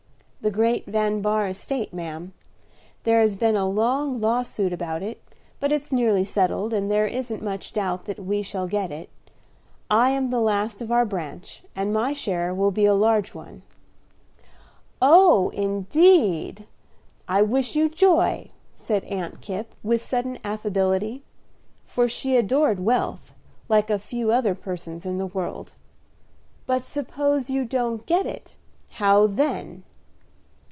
"The great Van Bahr estate, ma'am. There has been a long lawsuit about it, but it's nearly settled, and there isn't much doubt that we shall get it. I am the last of our branch, and my share will be a large one." "Oh, indeed! I wish you joy," said Aunt Kipp, with sudden affability; for she adored wealth, like a few other persons in the world. "But suppose you don't get it, how then?"